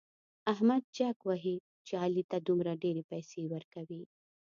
احمد جک وهي چې علي ته دومره ډېرې پيسې ورکوي.